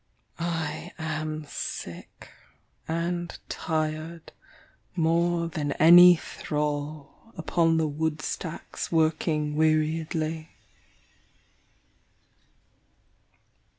I am sick, and tired more than any thrall Upon the woodstacks working weariedly.